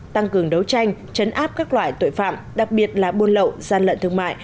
tăng cường đấu tranh chấn áp các loại tội phạm đặc biệt là buôn lậu gian lận thương mại